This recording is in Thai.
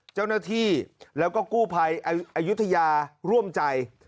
เจ้าหน้าที่แล้วก็กู้ภัยอายุทยาร่วมใจ